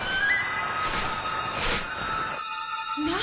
何？